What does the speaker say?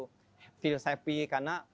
jangan terlalu feel happy karena